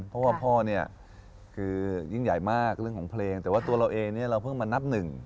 เพราะว่าพ่อเนี่ยคือยิ่งใหญ่มากเรื่องของเพลงแต่ว่าตัวเราเองเนี่ยเราเพิ่งมานับหนึ่ง